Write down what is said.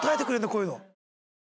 こういうの。